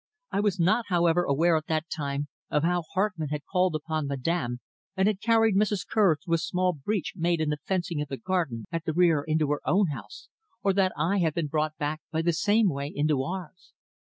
I was not, however, aware at that time of how Hartmann had called upon Madame and had carried Mrs. Kerr through a small breach made in the fencing of the garden at the rear into her own house, or that I had been brought back by the same way into ours.